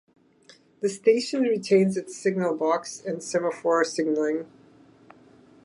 The station retains its signal box and semaphore signalling.